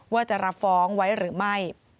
ว่าจะรับฟ้องไว้หรือไม่